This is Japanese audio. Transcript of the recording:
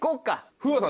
風磨さん